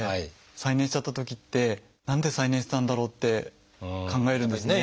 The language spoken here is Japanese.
再燃しちゃったときって何で再燃したんだろうって考えるんですね。